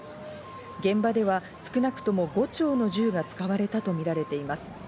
現場では少なくとも５丁の銃が使われたとみられています。